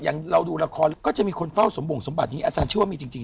อย่างเราดูรหารก็จะมิตรความทรมานสมบูรณ์ที่นี่แต่อาจารย์เชื่อว่ามิจริงใช่มั้ย